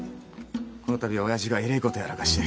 このたびは親父がえれえことやらかして。